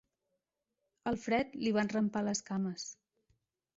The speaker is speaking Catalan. El fred li va enrampar les cames.